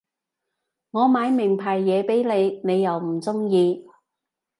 我買名牌嘢畀你你又唔中意